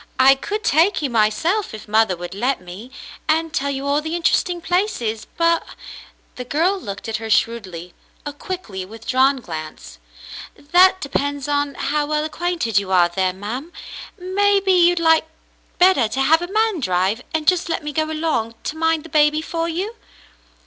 I could take you myself if mother would let me, and tell you all the interesting places, but "— the girl looked at her shrewdly, a quickly with drawn glance —" that depends on how well acquainted you are there, ma'm. Maybe you'd like better to have a man drive, and just let me go along to mind the baby for you."